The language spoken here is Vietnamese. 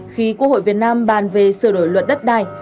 khi quốc hội việt nam bàn về sửa đổi luật đất đai